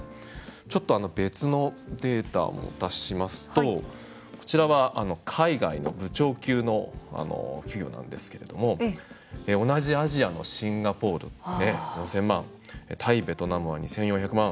ちょっと別のデータも出しますとこちらは海外の部長級の給与なんですけれども同じアジアのシンガポール４０００万タイ、ベトナムは２４００万